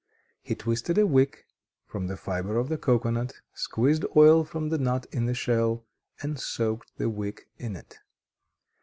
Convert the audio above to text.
He twisted a wick from the fibre of the cocoanut: squeezed oil from the nut in the shell, and soaked the wick in it.